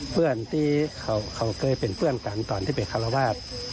เพื่อนที่เขาเคยเป็นเพื่อนกันตอนที่ไปคารวาส